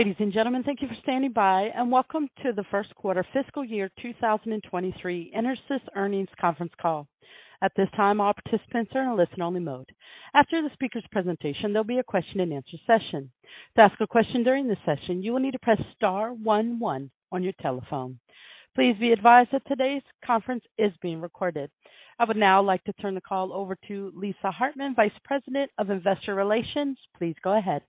Ladies and gentlemen, thank you for standing by, and welcome to the First Quarter Fiscal Year 2023 EnerSys Earnings Conference Call. At this time, all participants are in a listen only mode. After the speaker's presentation, there'll be a Q&A session. To ask a question during this session, you will need to press star one one on your telephone. Please be advised that today's conference is being recorded. I would now like to turn the call over to Lisa Hartman, Vice President of Investor Relations. Please go ahead.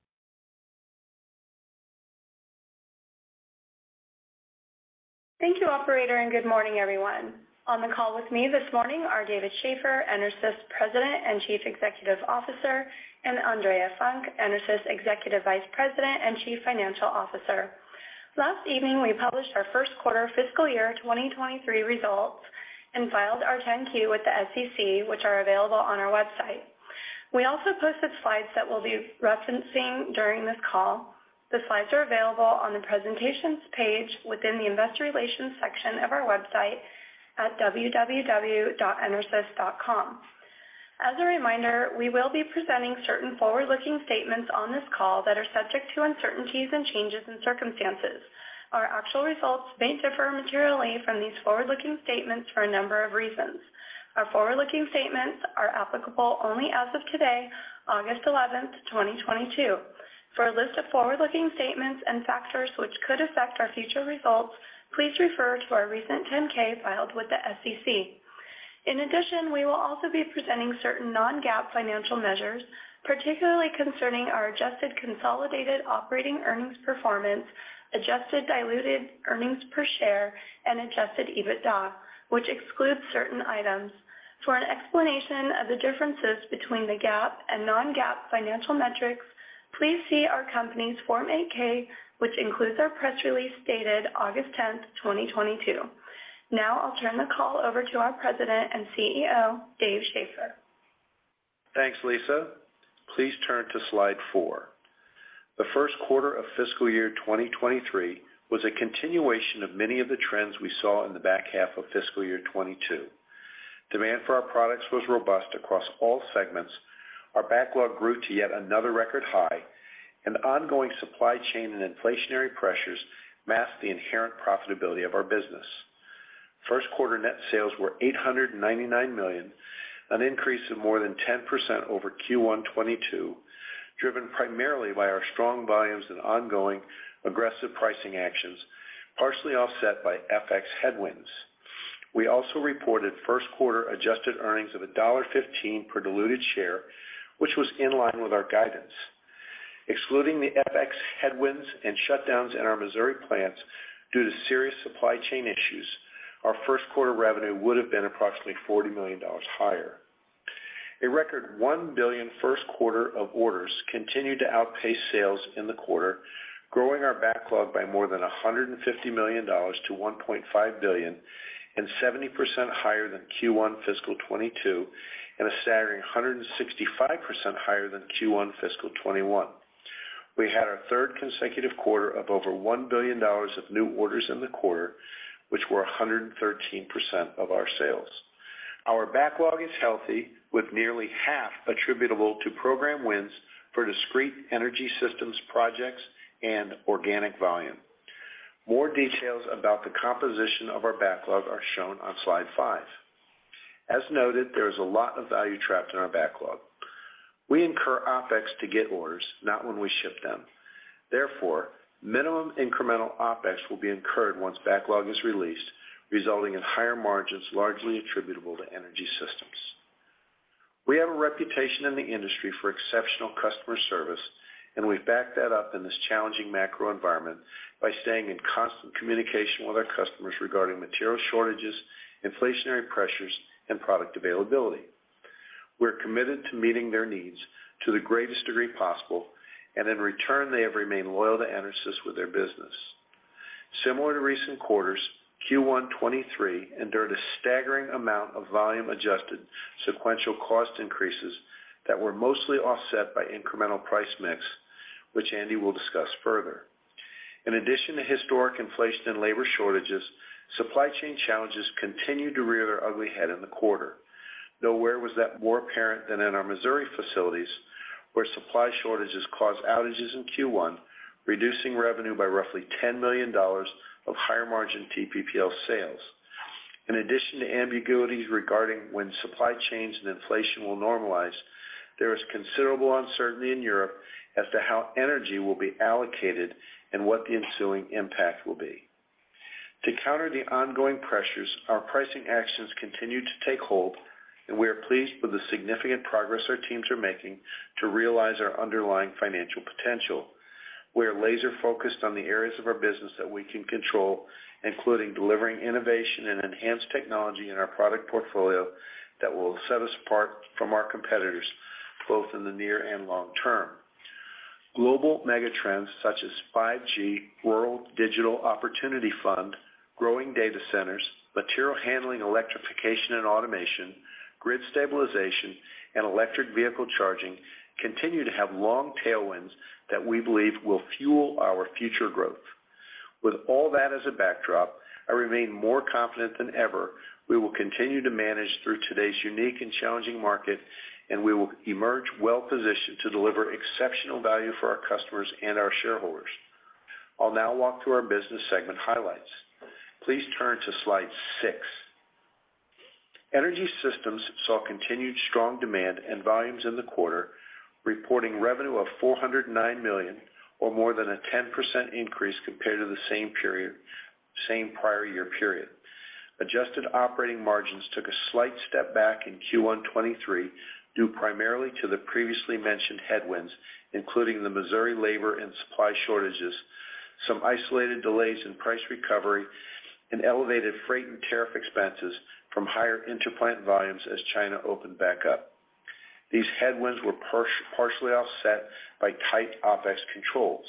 Thank you operator, and good morning, everyone. On the call with me this morning are David Shaffer, EnerSys President and Chief Executive Officer, and Andrea Funk, EnerSys Executive Vice President and Chief Financial Officer. Last evening, we published our first quarter fiscal year 2023 results and filed our 10-Q with the SEC, which are available on our website. We also posted slides that we'll be referencing during this call. The slides are available on the presentations page within the investor relations section of our website at www.enersys.com. As a reminder, we will be presenting certain forward-looking statements on this call that are subject to uncertainties and changes in circumstances. Our actual results may differ materially from these forward-looking statements for a number of reasons. Our forward-looking statements are applicable only as of today, August 11, 2022. For a list of forward-looking statements and factors which could affect our future results, please refer to our recent Form 10-K filed with the SEC. In addition, we will also be presenting certain non-GAAP financial measures, particularly concerning our adjusted consolidated operating earnings performance, adjusted diluted earnings per share, and adjusted EBITDA, which excludes certain items. For an explanation of the differences between the GAAP and non-GAAP financial metrics, please see our company's Form 8-K, which includes our press release dated August 10, 2022. Now, I'll turn the call over to our President and CEO, David Shaffer. Thanks, Lisa. Please turn to slide four. The first quarter of fiscal year 2023 was a continuation of many of the trends we saw in the back half of fiscal year 2022. Demand for our products was robust across all segments. Our backlog grew to yet another record high. Ongoing supply chain and inflationary pressures masked the inherent profitability of our business. First quarter net sales were $899 million, an increase of more than 10% over Q1 2022, driven primarily by our strong volumes and ongoing aggressive pricing actions, partially offset by FX headwinds. We also reported first quarter adjusted earnings of $1.15 per diluted share, which was in line with our guidance. Excluding the FX headwinds and shutdowns in our Missouri plants due to serious supply chain issues, our first quarter revenue would have been approximately $40 million higher. A record $1 billion first quarter of orders continued to outpace sales in the quarter, growing our backlog by more than $150 million to $1.5 billion and 70% higher than Q1 fiscal 2022, and a staggering 165% higher than Q1 fiscal 2021. We had our third consecutive quarter of over $1 billion of new orders in the quarter, which were 113% of our sales. Our backlog is healthy, with nearly half attributable to program wins for discrete Energy Systems projects and organic volume. More details about the composition of our backlog are shown on slide five. As noted, there is a lot of value trapped in our backlog. We incur OpEx to get orders, not when we ship them. Therefore, minimum incremental OpEx will be incurred once backlog is released, resulting in higher margins, largely attributable to Energy Systems. We have a reputation in the industry for exceptional customer service, and we've backed that up in this challenging macro environment by staying in constant communication with our customers regarding material shortages, inflationary pressures, and product availability. We're committed to meeting their needs to the greatest degree possible, and in return, they have remained loyal to EnerSys with their business. Similar to recent quarters, Q1 2023 endured a staggering amount of volume adjusted sequential cost increases that were mostly offset by incremental price mix, which Andi will discuss further. In addition to historic inflation and labor shortages, supply chain challenges continued to rear their ugly head in the quarter. Nowhere was that more apparent than in our Missouri facilities, where supply shortages caused outages in Q1, reducing revenue by roughly $10 million of higher margin TPPL sales. In addition to ambiguities regarding when supply chains and inflation will normalize, there is considerable uncertainty in Europe as to how energy will be allocated and what the ensuing impact will be. To counter the ongoing pressures, our pricing actions continue to take hold, and we are pleased with the significant progress our teams are making to realize our underlying financial potential. We are laser-focused on the areas of our business that we can control, including delivering innovation and enhanced technology in our product portfolio that will set us apart from our competitors, both in the near and long term. Global megatrends such as 5G, Rural Digital Opportunity Fund, growing data centers, material handling, electrification and automation, grid stabilization, and electric vehicle charging continue to have long tailwinds that we believe will fuel our future growth. With all that as a backdrop, I remain more confident than ever we will continue to manage through today's unique and challenging market, and we will emerge well-positioned to deliver exceptional value for our customers and our shareholders. I'll now walk through our business segment highlights. Please turn to slide six. Energy Systems saw continued strong demand and volumes in the quarter, reporting revenue of $409 million, or more than a 10% increase compared to the same prior year period. Adjusted operating margins took a slight step back in Q1 2023, due primarily to the previously mentioned headwinds, including the Missouri labor and supply shortages, some isolated delays in price recovery and elevated freight and tariff expenses from higher interplant volumes as China opened back up. These headwinds were partially offset by tight OpEx controls.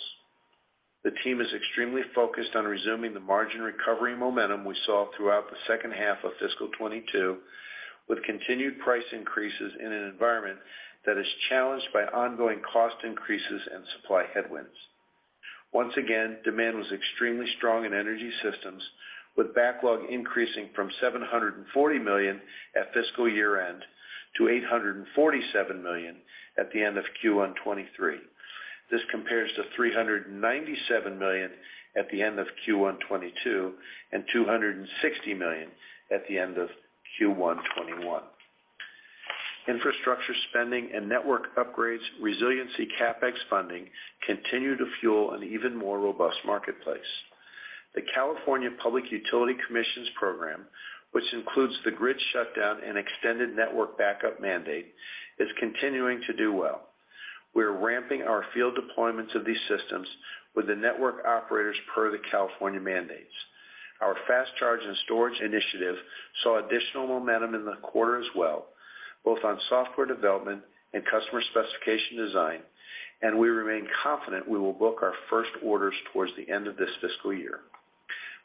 The team is extremely focused on resuming the margin recovery momentum we saw throughout the second half of fiscal 2022, with continued price increases in an environment that is challenged by ongoing cost increases and supply headwinds. Once again, demand was extremely strong in Energy Systems, with backlog increasing from $740 million at fiscal year-end to $847 million at the end of Q1 2023. This compares to $397 million at the end of Q1 2022 and $260 million at the end of Q1 2021. Infrastructure spending and network upgrades, resiliency CapEx funding continue to fuel an even more robust marketplace. The California Public Utilities Commission's program, which includes the grid shutdown and extended network backup mandate, is continuing to do well. We are ramping our field deployments of these systems with the network operators per the California mandates. Our fast charge and storage initiative saw additional momentum in the quarter as well, both on software development and customer specification design, and we remain confident we will book our first orders towards the end of this fiscal year.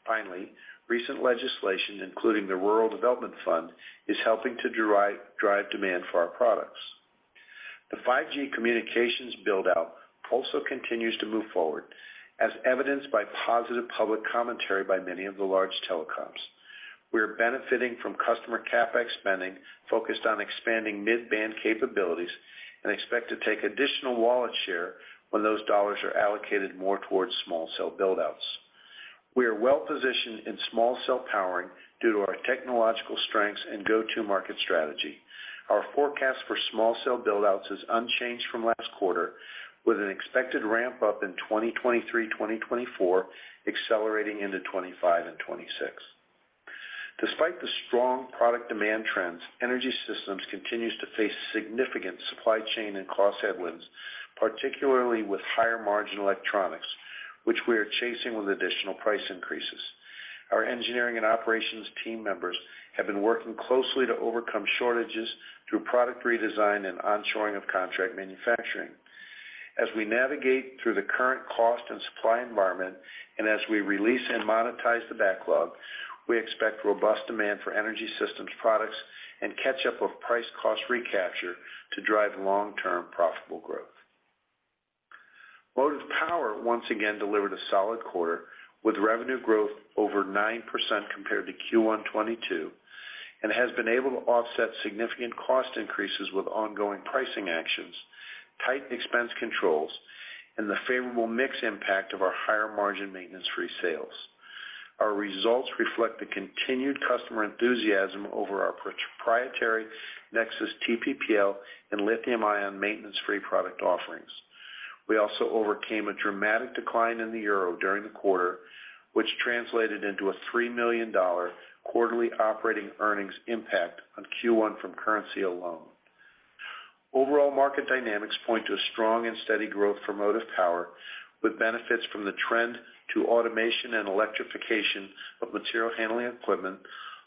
Finally, recent legislation, including the Rural Digital Opportunity Fund, is helping to drive demand for our products. The 5G communications build-out also continues to move forward, as evidenced by positive public commentary by many of the large telecoms. We are benefiting from customer CapEx spending focused on expanding mid-band capabilities and expect to take additional wallet share when those dollars are allocated more towards small cell build-outs. We are well positioned in small cell powering due to our technological strengths and go-to-market strategy. Our forecast for small cell build-outs is unchanged from last quarter, with an expected ramp-up in 2023, 2024, accelerating into 2025 and 2026. Despite the strong product demand trends, Energy Systems continues to face significant supply chain and cost headwinds, particularly with higher-margin electronics, which we are chasing with additional price increases. Our engineering and operations team members have been working closely to overcome shortages through product redesign and onshoring of contract manufacturing. As we navigate through the current cost and supply environment, and as we release and monetize the backlog, we expect robust demand for Energy Systems products and catch-up of price cost recapture to drive long-term profitable growth. Motive Power once again delivered a solid quarter, with revenue growth over 9% compared to Q1 2022 and has been able to offset significant cost increases with ongoing pricing actions, tightened expense controls, and the favorable mix impact of our higher-margin maintenance-free sales. Our results reflect the continued customer enthusiasm over our proprietary NexSys TPPL and lithium-ion maintenance-free product offerings. We also overcame a dramatic decline in the euro during the quarter, which translated into a $3 million quarterly operating earnings impact on Q1 from currency alone. Overall market dynamics point to a strong and steady growth for Motive Power, with benefits from the trend to automation and electrification of material handling equipment,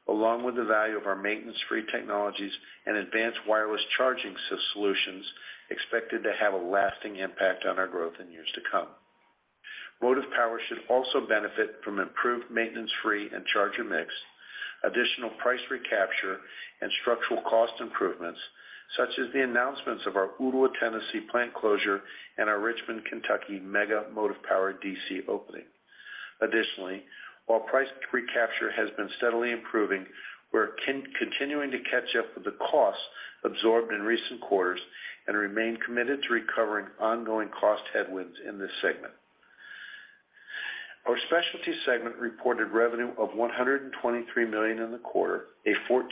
along with the value of our maintenance-free technologies and advanced wireless charging solutions expected to have a lasting impact on our growth in years to come. Motive Power should also benefit from improved maintenance-free and charger mix, additional price recapture, and structural cost improvements, such as the announcements of our Ooltewah, Tennessee plant closure and our Richmond, Kentucky mega Motive Power DC opening. Additionally, while price recapture has been steadily improving, we're continuing to catch up with the costs absorbed in recent quarters and remain committed to recovering ongoing cost headwinds in this segment. Our Specialty segment reported revenue of $123 million in the quarter, a 14%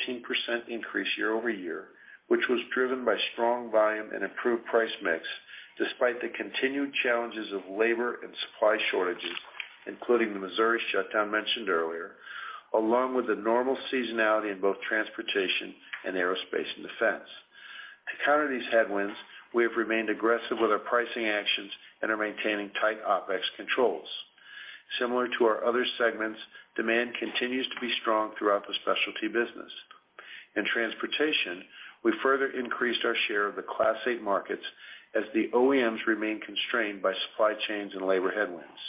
increase year-over-year, which was driven by strong volume and improved price mix despite the continued challenges of labor and supply shortages, including the Missouri shutdown mentioned earlier, along with the normal seasonality in both transportation and aerospace and defense. To counter these headwinds, we have remained aggressive with our pricing actions and are maintaining tight OpEx controls. Similar to our other segments, demand continues to be strong throughout the Specialty business. In transportation, we further increased our share of the Class 8 markets as the OEMs remain constrained by supply chains and labor headwinds.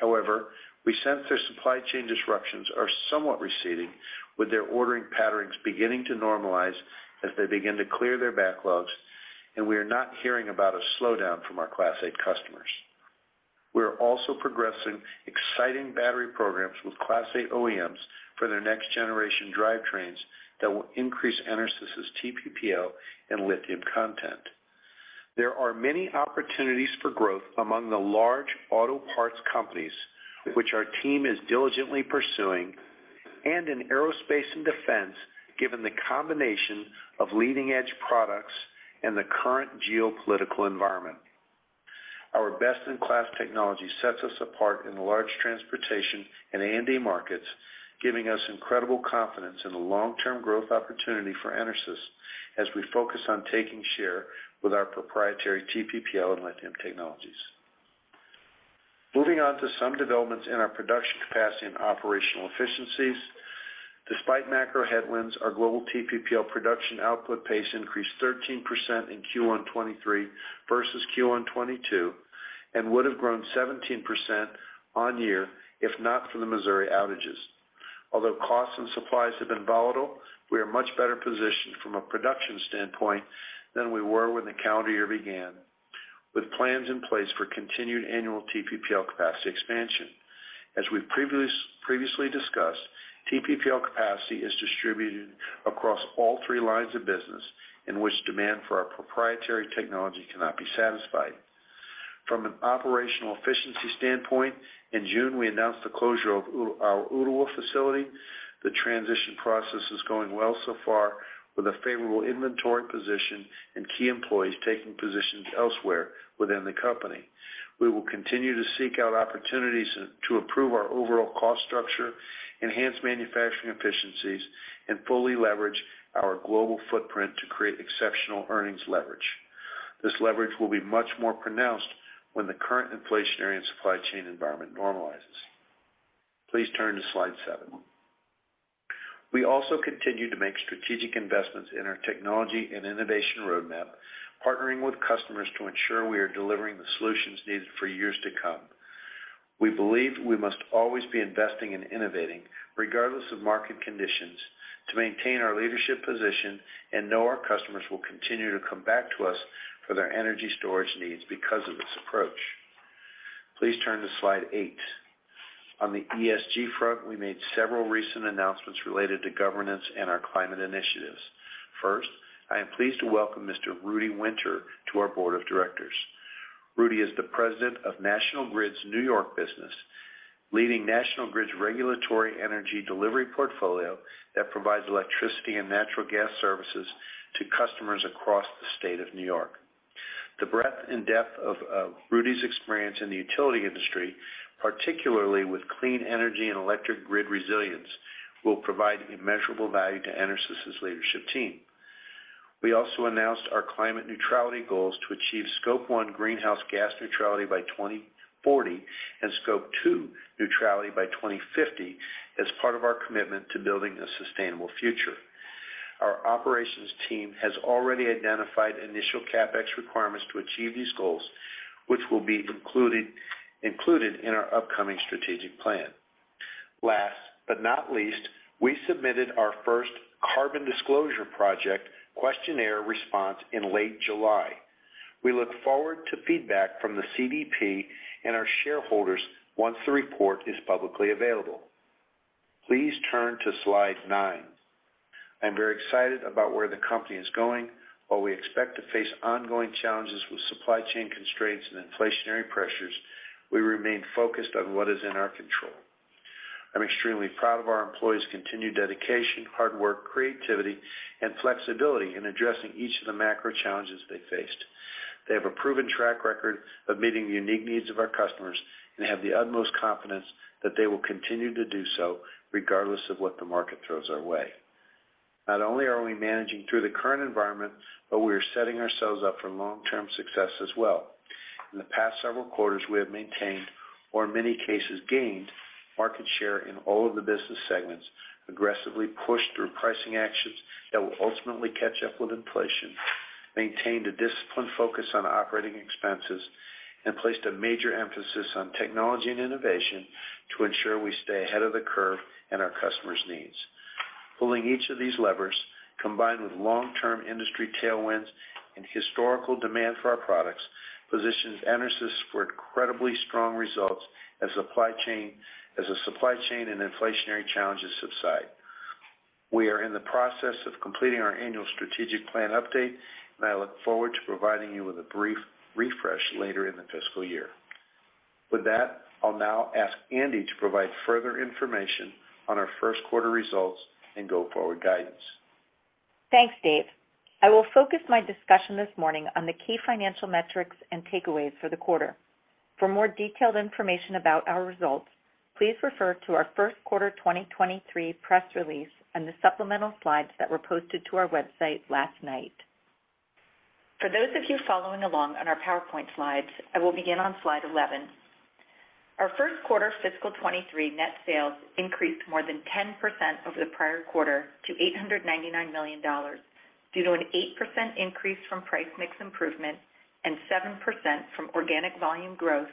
However, we sense their supply chain disruptions are somewhat receding, with their ordering patterns beginning to normalize as they begin to clear their backlogs. We are not hearing about a slowdown from our Class 8 customers. We are also progressing exciting battery programs with Class 8 OEMs for their next-generation drivetrains that will increase EnerSys' TPPL and lithium content. There are many opportunities for growth among the large auto parts companies, which our team is diligently pursuing, and in aerospace and defense, given the combination of leading-edge products and the current geopolitical environment. Our best-in-class technology sets us apart in the large transportation and A&D markets, giving us incredible confidence in the long-term growth opportunity for EnerSys as we focus on taking share with our proprietary TPPL and lithium technologies. Moving on to some developments in our production capacity and operational efficiencies. Despite macro headwinds, our global TPPL production output pace increased 13% in Q1 2023 versus Q1 2022, and would have grown 17% year-over-year if not for the Missouri outages. Although costs and supplies have been volatile, we are much better positioned from a production standpoint than we were when the calendar year began, with plans in place for continued annual TPPL capacity expansion. As we've previously discussed, TPPL capacity is distributed across all three lines of business in which demand for our proprietary technology cannot be satisfied. From an operational efficiency standpoint, in June, we announced the closure of our Ooltewah facility. The transition process is going well so far, with a favorable inventory position and key employees taking positions elsewhere within the company. We will continue to seek out opportunities to improve our overall cost structure, enhance manufacturing efficiencies, and fully leverage our global footprint to create exceptional earnings leverage. This leverage will be much more pronounced when the current inflationary and supply chain environment normalizes. Please turn to slide seven. We continue to make strategic investments in our technology and innovation roadmap, partnering with customers to ensure we are delivering the solutions needed for years to come. We believe we must always be investing and innovating regardless of market conditions to maintain our leadership position and know our customers will continue to come back to us for their energy storage needs because of this approach. Please turn to slide eight. On the ESG front, we made several recent announcements related to governance and our climate initiatives. First, I am pleased to welcome Mr. Rudy Wynter to our Board of Directors. Rudy is the president of National Grid's New York business, leading National Grid's regulatory energy delivery portfolio that provides electricity and natural gas services to customers across the state of New York. The breadth and depth of Rudy's experience in the utility industry, particularly with clean energy and electric grid resilience, will provide immeasurable value to EnerSys' leadership team. We also announced our climate neutrality goals to achieve Scope 1 greenhouse gas neutrality by 2040 and Scope 2 neutrality by 2050 as part of our commitment to building a sustainable future. Our operations team has already identified initial CapEx requirements to achieve these goals, which will be included in our upcoming strategic plan. Last but not least, we submitted our first Carbon Disclosure Project questionnaire response in late July. We look forward to feedback from the CDP and our shareholders once the report is publicly available. Please turn to slide nine. I'm very excited about where the company is going. While we expect to face ongoing challenges with supply chain constraints and inflationary pressures, we remain focused on what is in our control. I'm extremely proud of our employees' continued dedication, hard work, creativity, and flexibility in addressing each of the macro challenges they faced. They have a proven track record of meeting the unique needs of our customers and have the utmost confidence that they will continue to do so regardless of what the market throws our way. Not only are we managing through the current environment, but we are setting ourselves up for long-term success as well. In the past several quarters, we have maintained, or in many cases gained, market share in all of the business segments, aggressively pushed through pricing actions that will ultimately catch up with inflation, maintained a disciplined focus on operating expenses, and placed a major emphasis on technology and innovation to ensure we stay ahead of the curve and our customers' needs. Pulling each of these levers, combined with long-term industry tailwinds and historical demand for our products, positions EnerSys for incredibly strong results as the supply chain and inflationary challenges subside. We are in the process of completing our annual strategic plan update, and I look forward to providing you with a brief refresh later in the fiscal year. With that, I'll now ask Andi to provide further information on our first quarter results and go-forward guidance. Thanks, Dave. I will focus my discussion this morning on the key financial metrics and takeaways for the quarter. For more detailed information about our results, please refer to our first quarter 2023 press release and the supplemental slides that were posted to our website last night. For those of you following along on our PowerPoint slides, I will begin on slide 11. Our first quarter fiscal 2023 net sales increased more than 10% over the prior quarter to $899 million due to an 8% increase from price mix improvement and 7% from organic volume growth,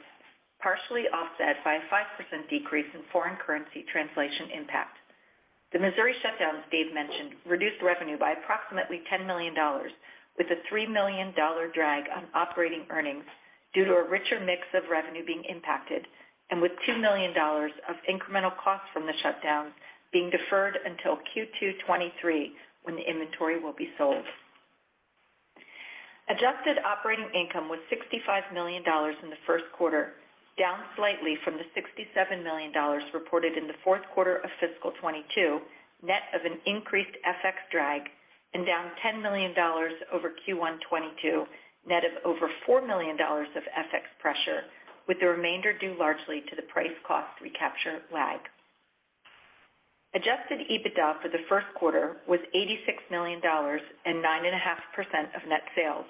partially offset by a 5% decrease in foreign currency translation impact. The Missouri shutdowns Dave mentioned reduced revenue by approximately $10 million, with a $3 million drag on operating earnings due to a richer mix of revenue being impacted and with $2 million of incremental costs from the shutdown being deferred until Q2 2023 when the inventory will be sold. Adjusted operating income was $65 million in the first quarter, down slightly from the $67 million reported in the fourth quarter of fiscal 2022, net of an increased FX drag and down $10 million over Q1 2022, net of over $4 million of FX pressure, with the remainder due largely to the price cost recapture lag. Adjusted EBITDA for the first quarter was $86 million and 9.5% of net sales,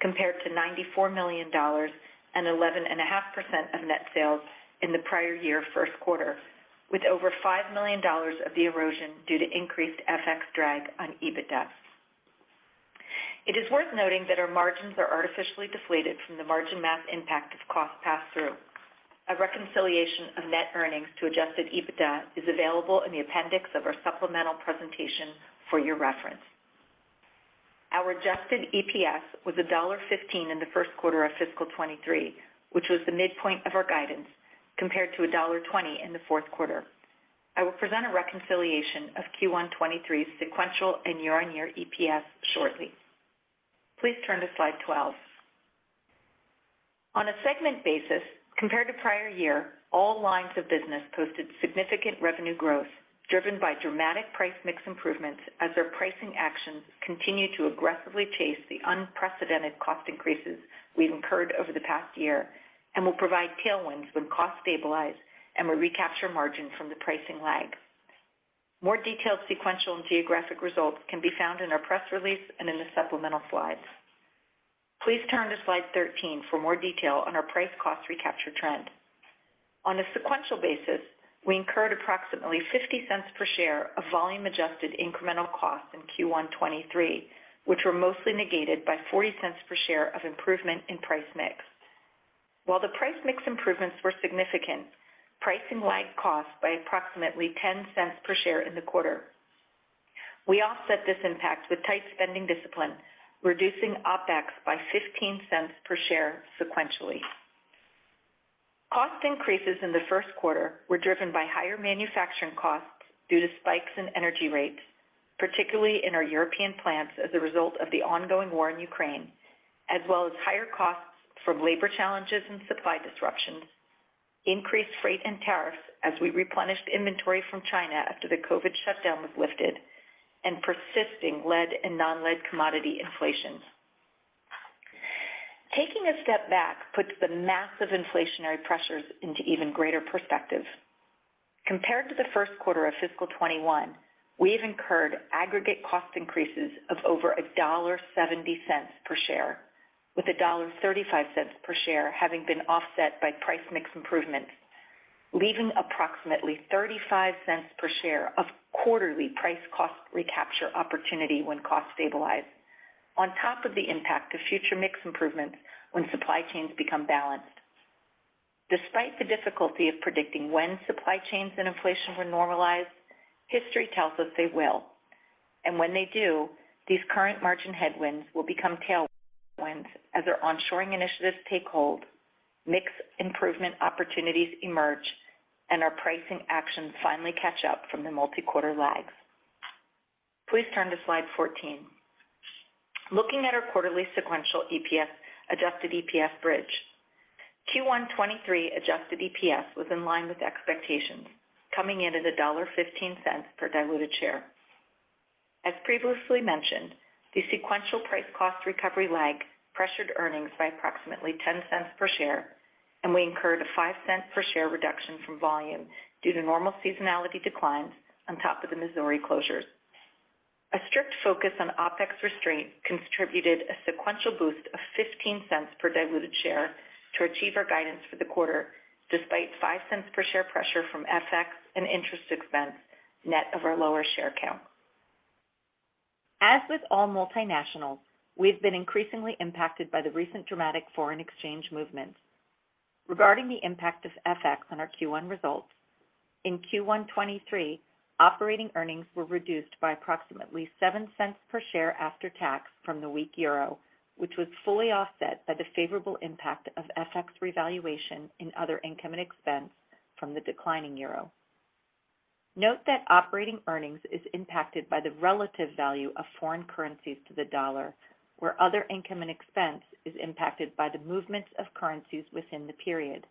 compared to $94 million and 11.5% of net sales in the prior year first quarter, with over $5 million of the erosion due to increased FX drag on EBITDA. It is worth noting that our margins are artificially deflated from the margin math impact of cost pass-through. A reconciliation of net earnings to adjusted EBITDA is available in the appendix of our supplemental presentation for your reference. Our adjusted EPS was $1.15 in the first quarter of fiscal 2023, which was the midpoint of our guidance compared to $1.20 in the fourth quarter. I will present a reconciliation of Q1 2023 sequential and year-on-year EPS shortly. Please turn to slide 12. On a segment basis, compared to prior year, all lines of business posted significant revenue growth driven by dramatic price mix improvements as our pricing actions continue to aggressively chase the unprecedented cost increases we've incurred over the past year and will provide tailwinds when costs stabilize and we recapture margin from the pricing lag. More detailed sequential and geographic results can be found in our press release and in the supplemental slides. Please turn to slide 13 for more detail on our price cost recapture trend. On a sequential basis, we incurred approximately $0.50 per share of volume-adjusted incremental costs in Q1 2023, which were mostly negated by $0.40 per share of improvement in price mix. While the price mix improvements were significant, pricing lagged costs by approximately $0.10 per share in the quarter. We offset this impact with tight spending discipline, reducing OpEx by $0.15 per share sequentially. Cost increases in the first quarter were driven by higher manufacturing costs due to spikes in energy rates, particularly in our European plants as a result of the ongoing war in Ukraine, as well as higher costs from labor challenges and supply disruptions, increased freight and tariffs as we replenished inventory from China after the COVID shutdown was lifted, and persisting lead and non-lead commodity inflations. Taking a step back puts the massive inflationary pressures into even greater perspective. Compared to the first quarter of fiscal 2021, we have incurred aggregate cost increases of over $1.70 per share, with $1.35 per share having been offset by price mix improvements, leaving approximately $0.35 per share of quarterly price cost recapture opportunity when costs stabilize on top of the impact of future mix improvements when supply chains become balanced. Despite the difficulty of predicting when supply chains and inflation will normalize, history tells us they will. When they do, these current margin headwinds will become tailwinds as our onshoring initiatives take hold, mix improvement opportunities emerge, and our pricing actions finally catch up from the multi-quarter lags. Please turn to slide 14. Looking at our quarterly sequential EPS, adjusted EPS bridge, Q1 2023 adjusted EPS was in line with expectations, coming in at $1.15 per diluted share. As previously mentioned, the sequential price cost recovery lag pressured earnings by approximately $0.10 per share, and we incurred a $0.05 per share reduction from volume due to normal seasonality declines on top of the Missouri closures. A strict focus on OpEx restraint contributed a sequential boost of $0.15 per diluted share to achieve our guidance for the quarter, despite $0.05 per share pressure from FX and interest expense net of our lower share count. As with all multinationals, we've been increasingly impacted by the recent dramatic foreign exchange movements. Regarding the impact of FX on our Q1 results, in Q1 2023, operating earnings were reduced by approximately $0.07 per share after tax from the weak euro, which was fully offset by the favorable impact of FX revaluation in other income and expense from the declining euro. Note that operating earnings is impacted by the relative value of foreign currencies to the dollar, where other income and expense is impacted by the movements of currencies within the period.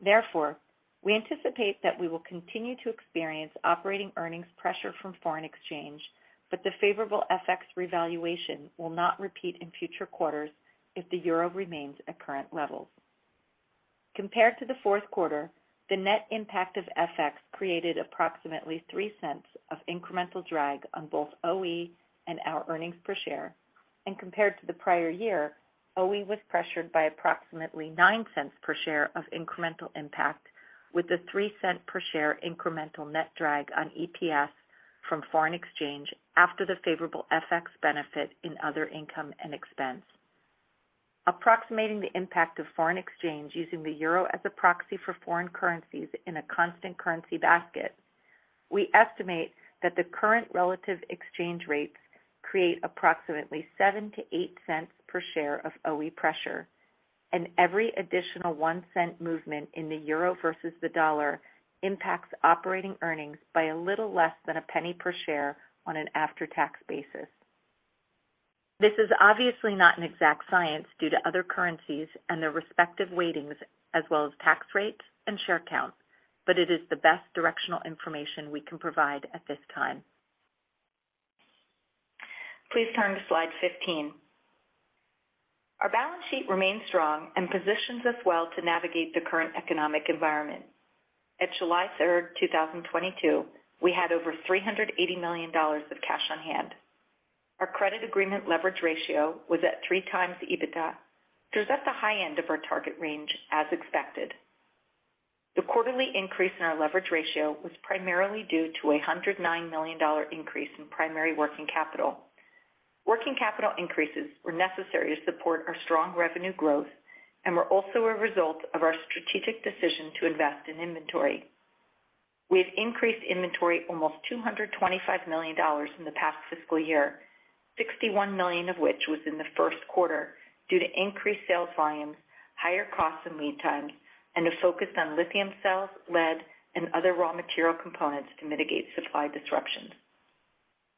Therefore, we anticipate that we will continue to experience operating earnings pressure from foreign exchange, but the favorable FX revaluation will not repeat in future quarters if the euro remains at current levels. Compared to the fourth quarter, the net impact of FX created approximately $0.03 of incremental drag on both OE and our earnings per share. Compared to the prior year, OE was pressured by approximately $0.09 per share of incremental impact with a $0.03 per share incremental net drag on EPS from foreign exchange after the favorable FX benefit in other income & expense. Approximating the impact of foreign exchange using the euro as a proxy for foreign currencies in a constant currency basket, we estimate that the current relative exchange rates create approximately $0.07-$0.08 per share of OE pressure, and every additional $0.01 movement in the euro versus the dollar impacts operating earnings by a little less than $0.01 per share on an after-tax basis. This is obviously not an exact science due to other currencies and their respective weightings as well as tax rates and share count, but it is the best directional information we can provide at this time. Please turn to slide 15. Our balance sheet remains strong and positions us well to navigate the current economic environment. At July 3, 2022, we had over $380 million of cash on hand. Our credit agreement leverage ratio was at 3 times EBITDA, so it was at the high end of our target range as expected. The quarterly increase in our leverage ratio was primarily due to a $109 million increase in primary working capital. Working capital increases were necessary to support our strong revenue growth and were also a result of our strategic decision to invest in inventory. We have increased inventory almost $225 million in the past fiscal year, $61 million of which was in the first quarter due to increased sales volumes, higher costs and lead times, and a focus on lithium cells, lead, and other raw material components to mitigate supply disruptions.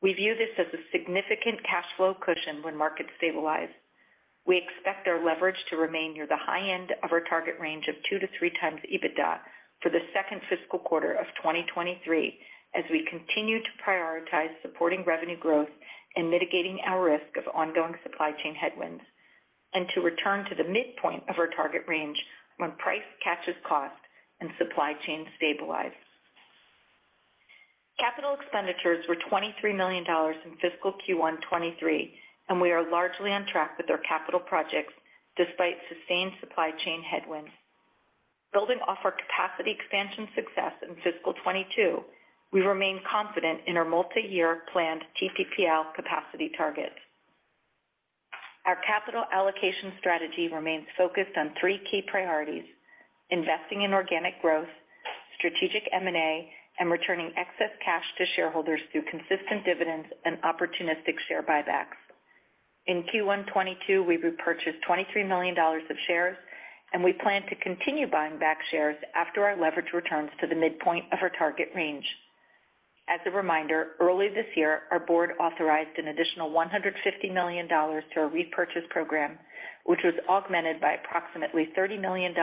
We view this as a significant cash flow cushion when markets stabilize. We expect our leverage to remain near the high end of our target range of 2-3x EBITDA for the second fiscal quarter of 2023 as we continue to prioritize supporting revenue growth and mitigating our risk of ongoing supply chain headwinds, and to return to the midpoint of our target range when price catches cost and supply chains stabilize. Capital expenditures were $23 million in fiscal Q1 2023, and we are largely on track with our capital projects despite sustained supply chain headwinds. Building off our capacity expansion success in fiscal 2022, we remain confident in our multiyear planned TPPL capacity targets. Our capital allocation strategy remains focused on three key priorities, investing in organic growth, strategic M&A, and returning excess cash to shareholders through consistent dividends and opportunistic share buybacks. In Q1 2022, we repurchased $23 million of shares, and we plan to continue buying back shares after our leverage returns to the midpoint of our target range. As a reminder, early this year, our board authorized an additional $150 million to our repurchase program, which was augmented by approximately $30 million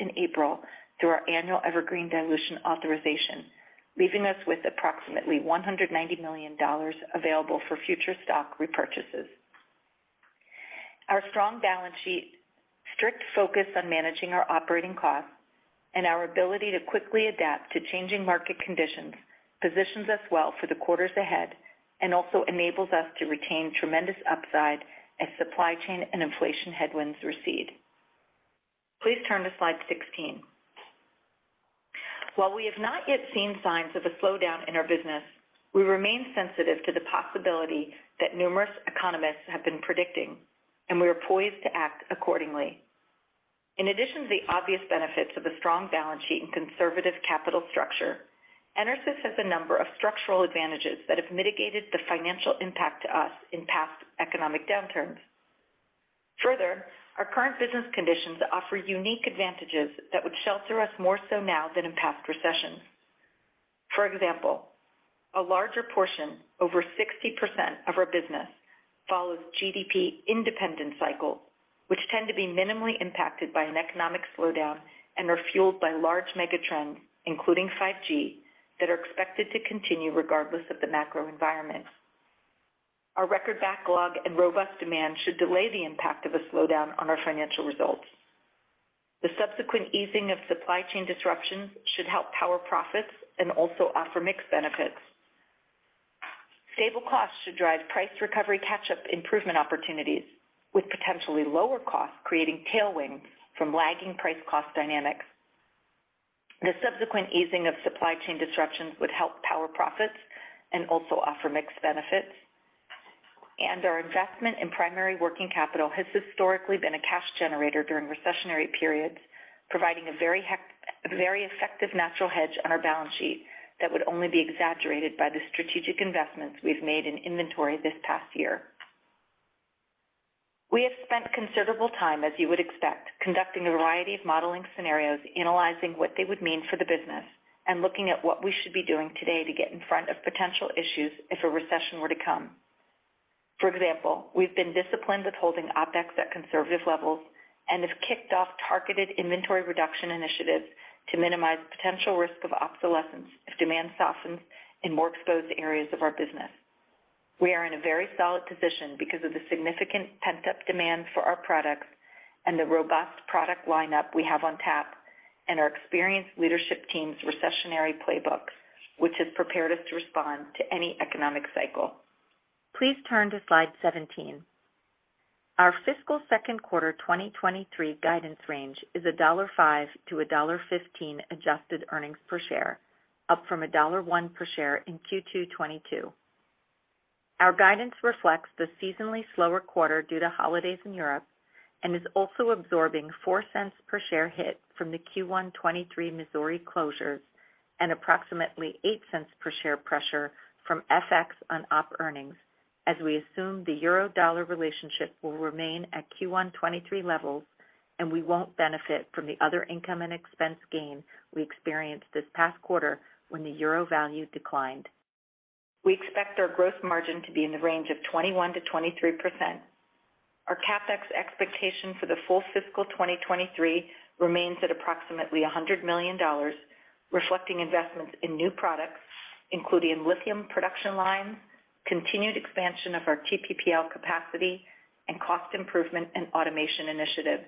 in April through our annual evergreen dilution authorization, leaving us with approximately $190 million available for future stock repurchases. Our strong balance sheet, strict focus on managing our operating costs, and our ability to quickly adapt to changing market conditions positions us well for the quarters ahead and also enables us to retain tremendous upside as supply chain and inflation headwinds recede. Please turn to slide 16. While we have not yet seen signs of a slowdown in our business, we remain sensitive to the possibility that numerous economists have been predicting, and we are poised to act accordingly. In addition to the obvious benefits of a strong balance sheet and conservative capital structure, EnerSys has a number of structural advantages that have mitigated the financial impact to us in past economic downturns. Further, our current business conditions offer unique advantages that would shelter us more so now than in past recessions. For example, a larger portion, over 60% of our business follows GDP-independent cycle, which tend to be minimally impacted by an economic slowdown and are fueled by large megatrends, including 5G, that are expected to continue regardless of the macro environment. Our record backlog and robust demand should delay the impact of a slowdown on our financial results. The subsequent easing of supply chain disruptions should help power profits and also offer mix benefits. Stable costs should drive price recovery catch-up improvement opportunities with potentially lower costs creating tailwinds from lagging price cost dynamics. The subsequent easing of supply chain disruptions would help power profits and also offer mix benefits. Our investment in primary working capital has historically been a cash generator during recessionary periods, providing a very effective natural hedge on our balance sheet that would only be exaggerated by the strategic investments we've made in inventory this past year. We have spent considerable time, as you would expect, conducting a variety of modeling scenarios, analyzing what they would mean for the business, and looking at what we should be doing today to get in front of potential issues if a recession were to come. For example, we've been disciplined with holding OpEx at conservative levels and have kicked off targeted inventory reduction initiatives to minimize potential risk of obsolescence if demand softens in more exposed areas of our business. We are in a very solid position because of the significant pent-up demand for our products and the robust product lineup we have on tap and our experienced leadership team's recessionary playbooks, which has prepared us to respond to any economic cycle. Please turn to slide 17. Our fiscal second quarter 2023 guidance range is $1.05-$1.15 adjusted earnings per share, up from $1.01 per share in Q2 2022. Our guidance reflects the seasonally slower quarter due to holidays in Europe and is also absorbing $0.04 per share hit from the Q1 2023 Missouri closures and approximately $0.08 per share pressure from FX on op earnings as we assume the euro dollar relationship will remain at Q1 2023 levels, and we won't benefit from the other income and expense gain we experienced this past quarter when the euro value declined. We expect our gross margin to be in the range of 21%-23%. Our CapEx expectation for the full fiscal 2023 remains at approximately $100 million, reflecting investments in new products, including lithium production lines, continued expansion of our TPPL capacity, and cost improvement and automation initiative.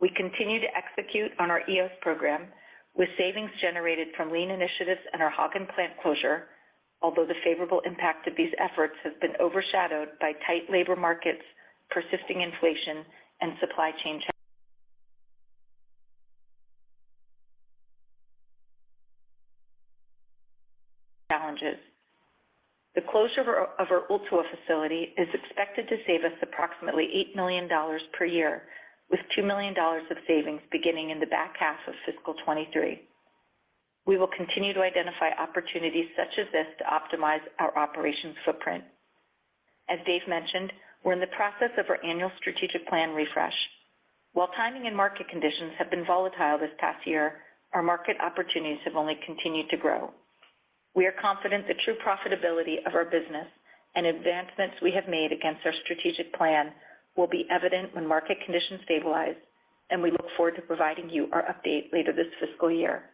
We continue to execute on our EOS program with savings generated from lean initiatives and our Hagen plant closure, although the favorable impact of these efforts has been overshadowed by tight labor markets, persisting inflation and supply chain challenges. The closure of our Ooltewah facility is expected to save us approximately $8 million per year, with $2 million of savings beginning in the back half of fiscal 2023. We will continue to identify opportunities such as this to optimize our operations footprint. As Dave mentioned, we're in the process of our annual strategic plan refresh. While timing and market conditions have been volatile this past year, our market opportunities have only continued to grow. We are confident the true profitability of our business and advancements we have made against our strategic plan will be evident when market conditions stabilize, and we look forward to providing you our update later this fiscal year.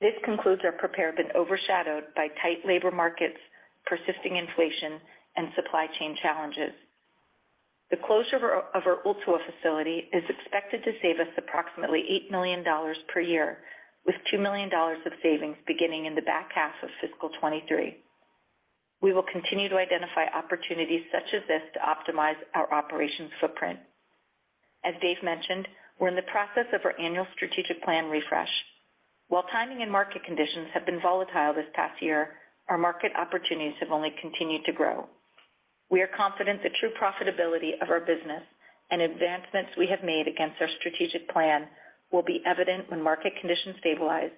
This concludes our prepared remarks. Our results have been overshadowed by tight labor markets, persistent inflation and supply chain challenges. The closure of our Ooltewah facility is expected to save us approximately $8 million per year, with $2 million of savings beginning in the back half of fiscal 2023. We will continue to identify opportunities such as this to optimize our operations footprint. As David mentioned, we're in the process of our annual strategic plan refresh. While timing and market conditions have been volatile this past year, our market opportunities have only continued to grow. We are confident the true profitability of our business and advancements we have made against our strategic plan will be evident when market conditions stabilize,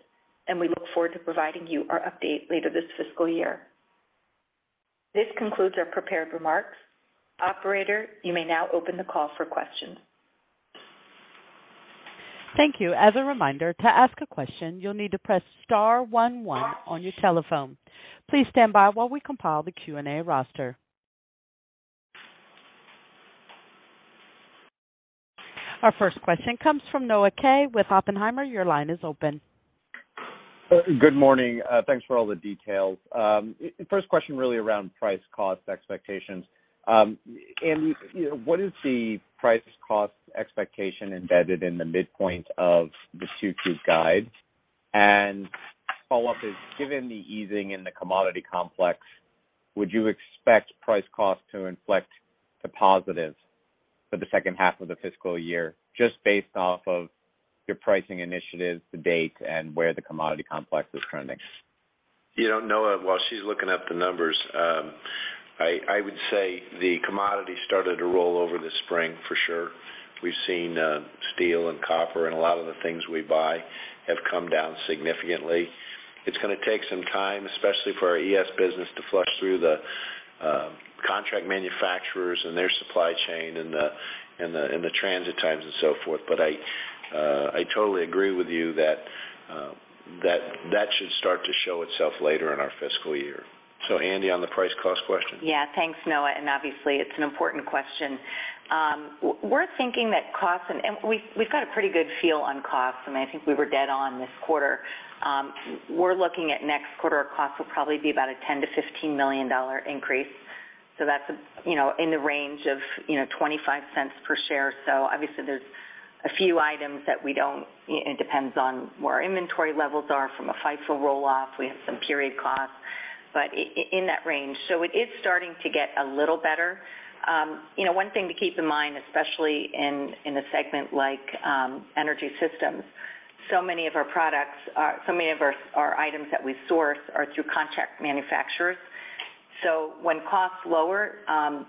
and we look forward to providing you our update later this fiscal year. This concludes our prepared remarks. Operator, you may now open the call for questions. Thank you. As a reminder, to ask a question, you'll need to press star one one on your telephone. Please stand by while we compile the Q&A roster. Our first question comes from Noah Kaye with Oppenheimer. Your line is open. Good morning. Thanks for all the details. First question really around price cost expectations. Andi, what is the price cost expectation embedded in the midpoint of the Q2 guide? Follow-up is, given the easing in the commodity complex, would you expect price cost to inflect to positive for the second half of the fiscal year just based off of your pricing initiatives to date and where the commodity complex is trending? You know, Noah, while she's looking up the numbers, I would say the commodity started to roll over this spring for sure. We've seen steel and copper and a lot of the things we buy have come down significantly. It's gonna take some time, especially for our ES business, to flush through the contract manufacturers and their supply chain and the transit times and so forth. I totally agree with you that that should start to show itself later in our fiscal year. Andi, on the price cost question. Yeah. Thanks, Noah, and obviously it's an important question. We're thinking that costs, and we have a pretty good feel on costs, and I think we were dead on this quarter. We're looking at next quarter, our costs will probably be about a $10 million-$15 million increase. That's, you know, in the range of, you know, $0.25 per share. Obviously there are a few items that depend on where our inventory levels are from a FIFO roll-off. We have some period costs, but in that range. It is starting to get a little better. You know, one thing to keep in mind, especially in a segment like Energy Systems, so many of our items that we source are through contract manufacturers. When costs lower,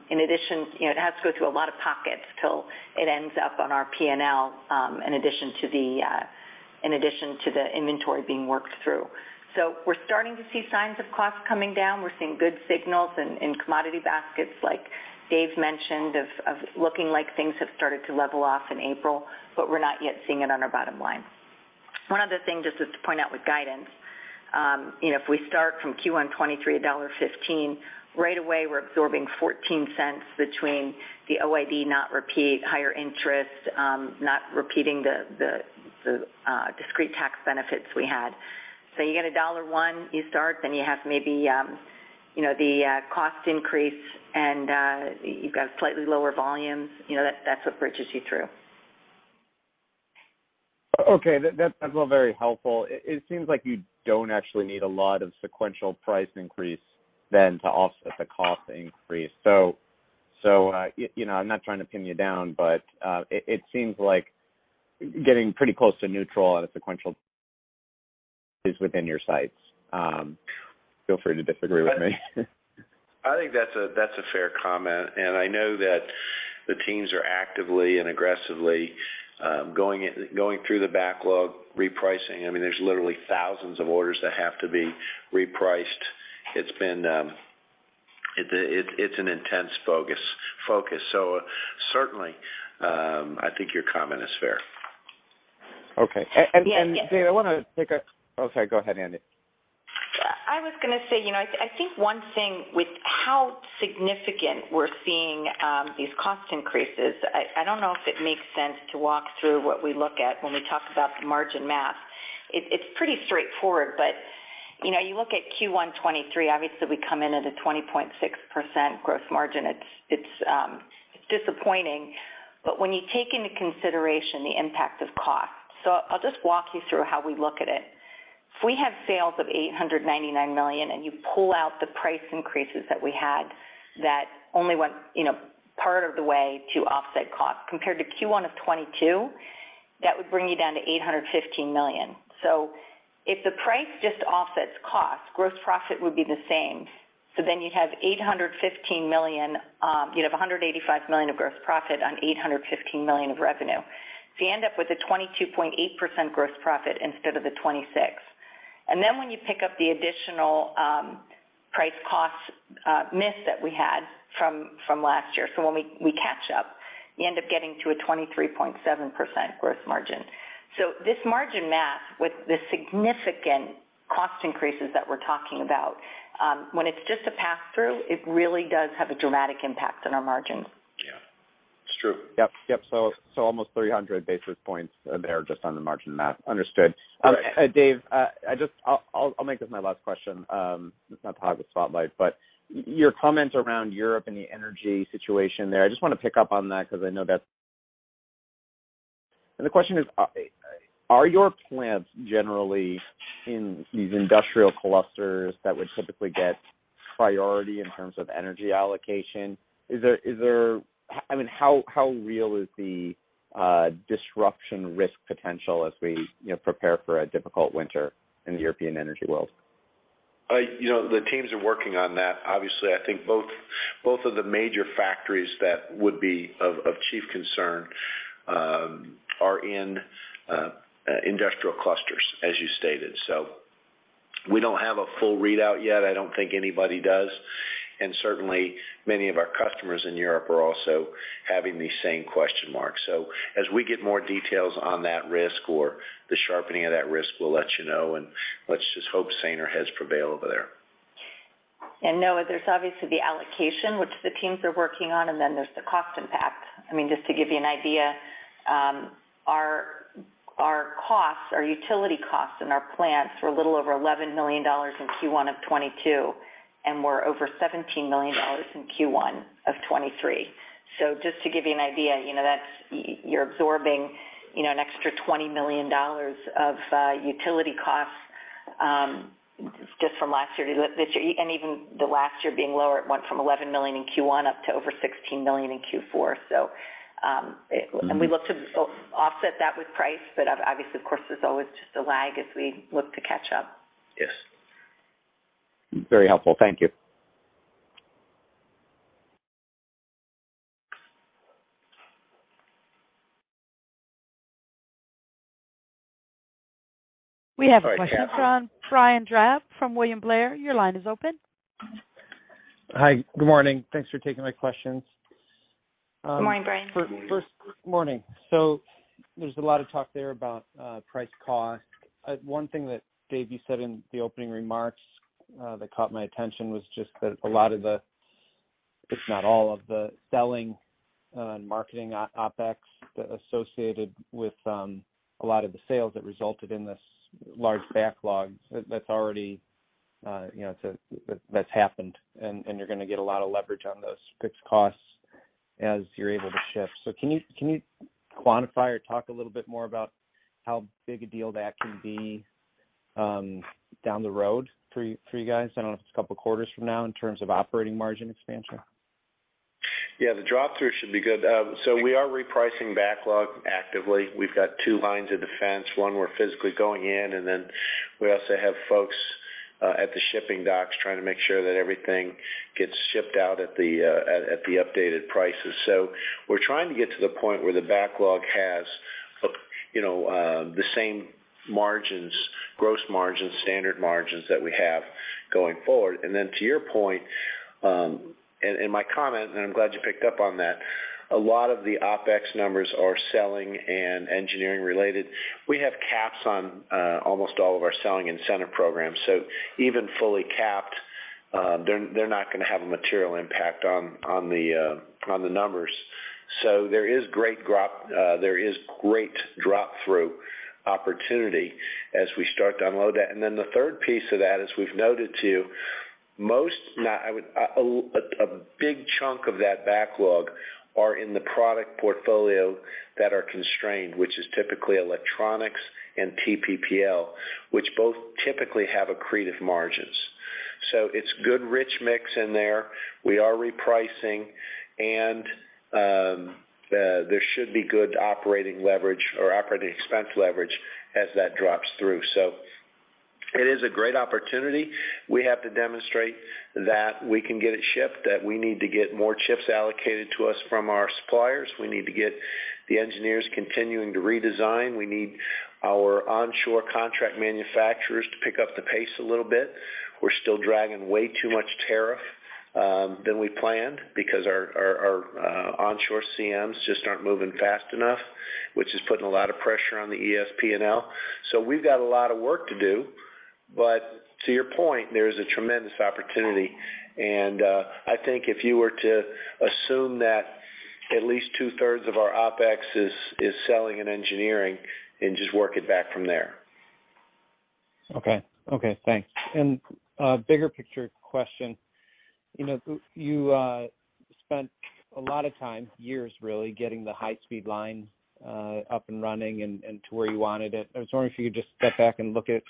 in addition, you know, it has to go through a lot of pockets till it ends up on our P&L, in addition to the inventory being worked through. We're starting to see signs of costs coming down. We're seeing good signals in commodity baskets like Dave mentioned of looking like things have started to level off in April, but we're not yet seeing it on our bottom line. One other thing just to point out with guidance, you know, if we start from Q1 2023, $1.15, right away, we're absorbing $0.14 between the OIE not repeating, higher interest, not repeating the discrete tax benefits we had. You get $1, you start, then you have maybe, you know, the cost increase, and you've got slightly lower volumes. You know, that's what bridges you through. Okay. That's all very helpful. It seems like you don't actually need a lot of sequential price increase then to offset the cost increase. You know, I'm not trying to pin you down, but it seems like getting pretty close to neutral on a sequential is within your sights. Feel free to disagree with me. I think that's a fair comment. I know that the teams are actively and aggressively going through the backlog repricing. I mean, there's literally thousands of orders that have to be repriced. It's been an intense focus. Certainly, I think your comment is fair. Okay. Yeah. Dave, oh, sorry. Go ahead, Andi. I was gonna say, you know, I think one thing with how significant we're seeing these cost increases, I don't know if it makes sense to walk through what we look at when we talk about the margin math. It's pretty straightforward, but you know, you look at Q1 2023, obviously, we come in at a 20.6% gross margin. It's disappointing. When you take into consideration the impact of cost. I'll just walk you through how we look at it. If we have sales of $899 million, and you pull out the price increases that we had, that only went, you know, part of the way to offset cost. Compared to Q1 of 2022, that would bring you down to $815 million. If the price just offsets cost, gross profit would be the same. You'd have $815 million, you'd have $185 million of gross profit on $815 million of revenue. You end up with a 22.8% gross profit instead of the 26%. When you pick up the additional price-cost mismatch that we had from last year. When we catch up, you end up getting to a 23.7% gross margin. This margin math with the significant cost increases that we're talking about, when it's just a pass-through, it really does have a dramatic impact on our margins. Yeah. It's true. Yep. Yep. So almost 300 basis points there just on the margin math. Understood. Dave, I'll make this my last question since I've hogged the spotlight. Your comments around Europe and the energy situation there, I just wanna pick up on that because I know that. The question is, are your plants generally in these industrial clusters that would typically get priority in terms of energy allocation? How, I mean, how real is the disruption risk potential as we prepare for a difficult winter in the European energy world? You know, the teams are working on that. Obviously, I think both of the major factories that would be of chief concern are in industrial clusters, as you stated. We don't have a full readout yet. I don't think anybody does. Certainly, many of our customers in Europe are also having these same question marks. As we get more details on that risk or the sharpening of that risk, we'll let you know, and let's just hope saner heads prevail over there. Noah, there's obviously the allocation, which the teams are working on, and then there's the cost impact. I mean, just to give you an idea, our utility costs in our plants were a little over $11 million in Q1 of 2022, and were over $17 million in Q1 of 2023. Just to give you an idea, you know, that's, you're absorbing, you know, an extra $20 million of utility costs just from last year to this year. Even the last year being lower, it went from $11 million in Q1 up to over $16 million in Q4. We look to offset that with price. Obviously, of course, there's always just a lag as we look to catch up. Yes. Very helpful. Thank you. We have a question from Brian Drab from William Blair. Your line is open. Hi. Good morning. Thanks for taking my questions. Good morning, Brian. First, good morning. There's a lot of talk there about price cost. One thing that Dave, you said in the opening remarks that caught my attention was just that a lot of the, if not all of the selling and marketing OpEx associated with a lot of the sales that resulted in this large backlog that's already, you know, that's happened, and you're gonna get a lot of leverage on those fixed costs as you're able to shift. Can you quantify or talk a little bit more about how big a deal that can be down the road for you guys? I don't know if it's a couple quarters from now in terms of operating margin expansion. Yeah, the drop-through should be good. We are repricing backlog actively. We've got two lines of defense. One, we're physically going in, and then we also have folks at the shipping docks trying to make sure that everything gets shipped out at the updated prices. We're trying to get to the point where the backlog has, you know, the same margins, gross margins, standard margins that we have going forward. To your point, and my comment, and I'm glad you picked up on that, a lot of the OpEx numbers are selling and engineering related. We have caps on almost all of our selling incentive programs. Even fully capped, they're not gonna have a material impact on the numbers. There is great drop-through opportunity as we start to unload that. Then the third piece of that, as we've noted to you, a big chunk of that backlog are in the product portfolio that are constrained, which is typically electronics and TPPL, which both typically have accretive margins. It's good rich mix in there. We are repricing, and there should be good operating leverage or operating expense leverage as that drops through. It is a great opportunity. We have to demonstrate that we can get it shipped, that we need to get more chips allocated to us from our suppliers. We need to get the engineers continuing to redesign. We need our onshore contract manufacturers to pick up the pace a little bit. We're still dragging way too much tariff than we planned because our onshore CMs just aren't moving fast enough, which is putting a lot of pressure on the ES P&L. We've got a lot of work to do. To your point, there is a tremendous opportunity, and I think if you were to assume that at least two-thirds of our OpEx is selling and engineering and just work it back from there. Okay. Okay, thanks. A bigger picture question. You know, you spent a lot of time, years really, getting the high-speed line up and running and to where you wanted it. I was wondering if you could just step back and look at,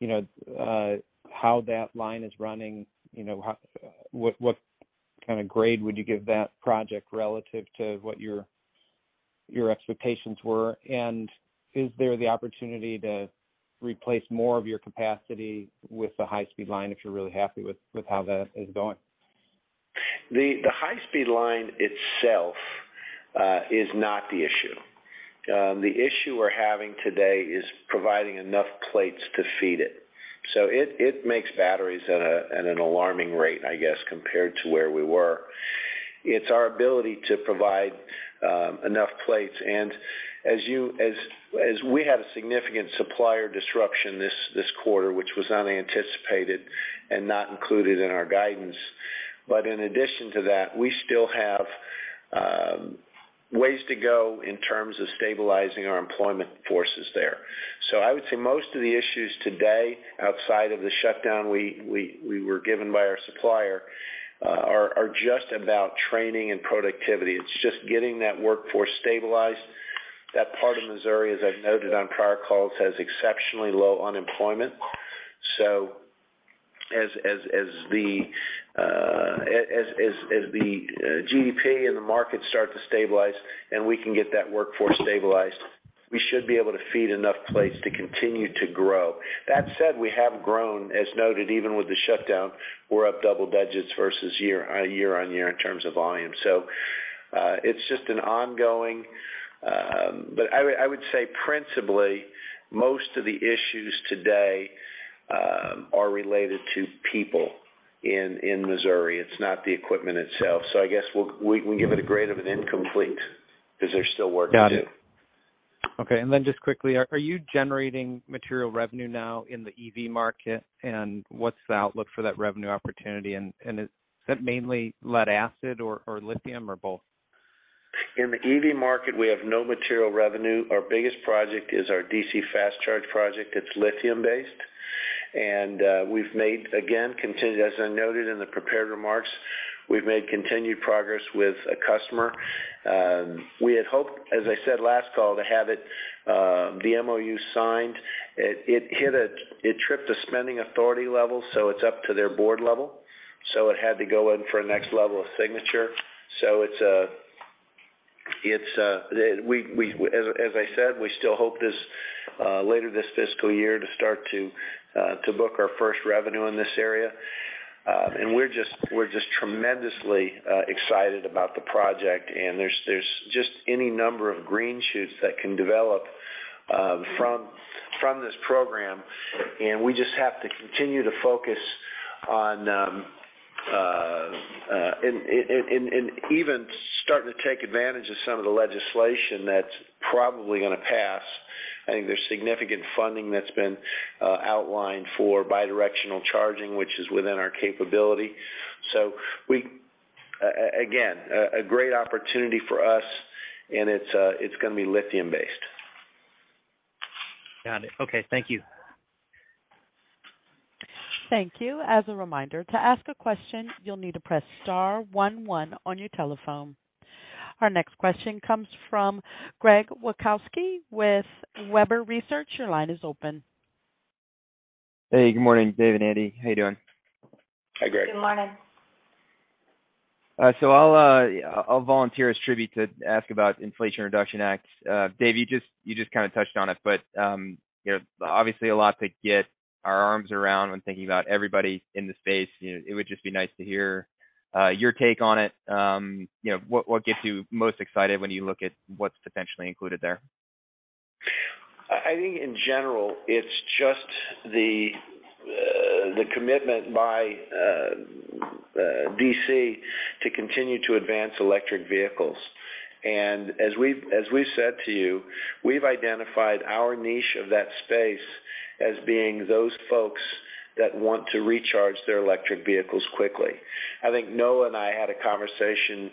you know, how that line is running. You know, what kind of grade would you give that project relative to what your expectations were? Is there the opportunity to replace more of your capacity with the high-speed line if you're really happy with how that is going? The high-speed line itself is not the issue. The issue we're having today is providing enough plates to feed it. It makes batteries at an alarming rate, I guess, compared to where we were. It's our ability to provide enough plates. As we had a significant supplier disruption this quarter, which was unanticipated and not included in our guidance. In addition to that, we still have ways to go in terms of stabilizing our employment forces there. I would say most of the issues today, outside of the shutdown we were given by our supplier, are just about training and productivity. It's just getting that workforce stabilized. That part of Missouri, as I've noted on prior calls, has exceptionally low unemployment. As the GDP and the market start to stabilize and we can get that workforce stabilized, we should be able to feed enough plates to continue to grow. That said, we have grown, as noted, even with the shutdown, we're up double digits versus year-over-year in terms of volume. It's just an ongoing. But I would say principally, most of the issues today are related to people in Missouri. It's not the equipment itself. I guess we can give it a grade of an incomplete because there's still work to do. Got it. Okay. Just quickly, are you generating material revenue now in the EV market? What's the outlook for that revenue opportunity? Is that mainly lead acid or lithium or both? In the EV market, we have no material revenue. Our biggest project is our DC fast charge project. It's lithium-based. We've made continued progress with a customer, as I noted in the prepared remarks. We had hoped, as I said last call, to have it, the MOU signed. It tripped a spending authority level, so it's up to their board level, so it had to go in for a next level of signature. As I said, we still hope later this fiscal year to start to book our first revenue in this area. We're just tremendously excited about the project. There's just any number of green shoots that can develop from this program. We just have to continue to focus on, and even starting to take advantage of some of the legislation that's probably gonna pass. I think there's significant funding that's been outlined for bi-directional charging, which is within our capability. Again, a great opportunity for us, and it's gonna be lithium-based. Got it. Okay. Thank you. Thank you. As a reminder, to ask a question, you'll need to press star one one on your telephone. Our next question comes from Greg Wasikowski with Webber Research. Your line is open. Hey, good morning, Dave and Andi. How you doing? Hi, Greg. Good morning. I'll volunteer as tribute to ask about Inflation Reduction Act. Dave, you just kind of touched on it, but you know, obviously a lot to get our arms around when thinking about everybody in the space. You know, it would just be nice to hear your take on it. You know, what gets you most excited when you look at what's potentially included there? I think in general, it's just the commitment by DC to continue to advance electric vehicles. As we've said to you, we've identified our niche of that space as being those folks that want to recharge their electric vehicles quickly. I think Noah and I had a conversation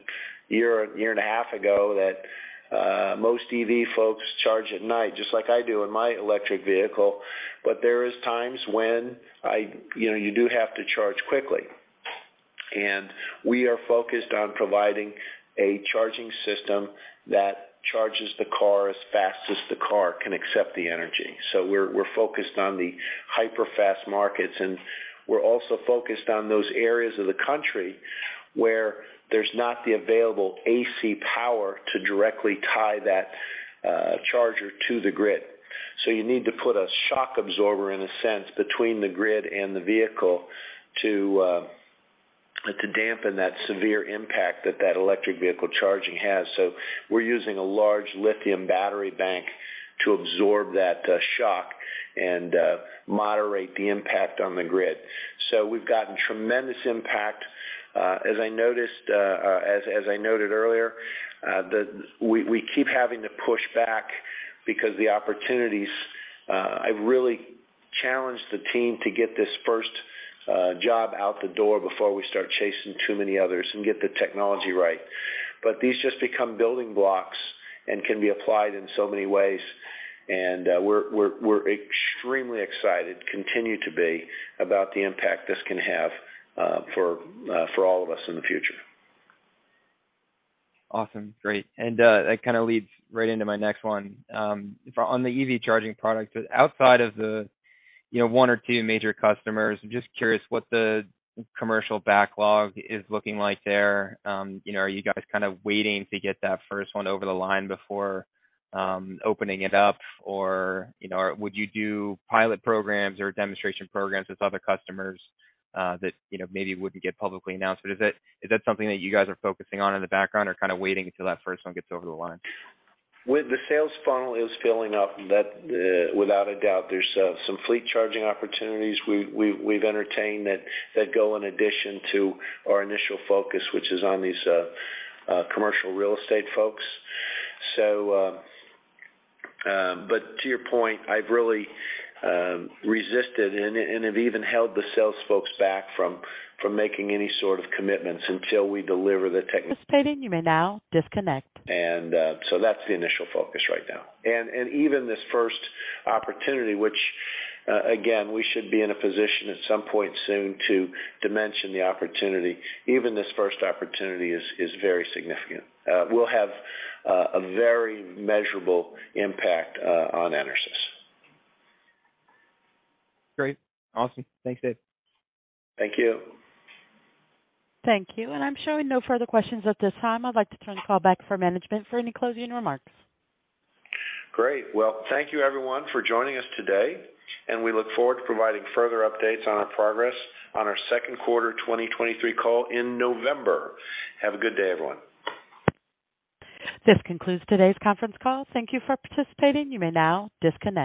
a year and a half ago that most EV folks charge at night, just like I do in my electric vehicle. There is times when I, you know, you do have to charge quickly. We are focused on providing a charging system that charges the car as fast as the car can accept the energy. We're focused on the hyper fast markets, and we're also focused on those areas of the country where there's not the available AC power to directly tie that charger to the grid. You need to put a shock absorber, in a sense, between the grid and the vehicle to dampen that severe impact that electric vehicle charging has. We're using a large lithium battery bank to absorb that shock and moderate the impact on the grid. We've gotten tremendous impact. As I noted earlier, we keep having to push back because the opportunities. I've really challenged the team to get this first job out the door before we start chasing too many others and get the technology right. These just become building blocks and can be applied in so many ways. We're extremely excited, continue to be, about the impact this can have for all of us in the future. Awesome. Great. That kinda leads right into my next one. On the EV charging product, outside of the, you know, one or two major customers, I'm just curious what the commercial backlog is looking like there. You know, are you guys kind of waiting to get that first one over the line before opening it up? Or, you know, would you do pilot programs or demonstration programs with other customers that, you know, maybe wouldn't get publicly announced? Is that something that you guys are focusing on in the background or kinda waiting until that first one gets over the line? The sales funnel is filling up without a doubt. There's some fleet charging opportunities we've entertained that go in addition to our initial focus, which is on these commercial real estate folks. To your point, I've really resisted and have even held the sales folks back from making any sort of commitments until we deliver the techni- Participating, you may now disconnect. That's the initial focus right now. Even this first opportunity, which again, we should be in a position at some point soon to mention the opportunity. Even this first opportunity is very significant. We'll have a very measurable impact on EnerSys. Great. Awesome. Thanks, Dave. Thank you. Thank you. I'm showing no further questions at this time. I'd like to turn the call back for management for any closing remarks. Great. Well, thank you everyone for joining us today, and we look forward to providing further updates on our progress on our second quarter 2023 call in November. Have a good day, everyone. This concludes today's conference call. Thank you for participating. You may now disconnect.